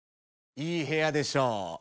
いい部屋でしょ。